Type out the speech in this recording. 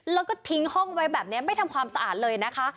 แล้วก็ทิ้งห้องไว้แบบนี้ไม่ทำความสะอาดเลยนะคะ